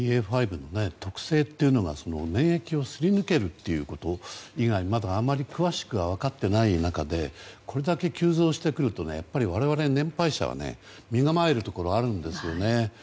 ＢＡ．５の特性というのが免疫をすり抜けること以外まだあまり詳しく分かっていない中でこれだけ急増してくると我々、年配者は身構えるところがありますね。